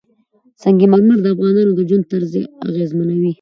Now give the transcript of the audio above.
سنگ مرمر د افغانانو د ژوند طرز اغېزمنوي.